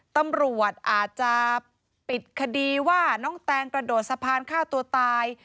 ตำรวจอาจจะปิดคดีว่าน้องแตงกระโดดสะพานฆ่าตัวตาย